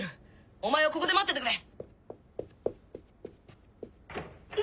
お前はここで待っててくれ！